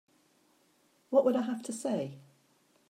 What would I have to say?